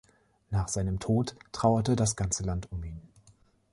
Nach seinem Tod trauerte das ganze Land um ihn.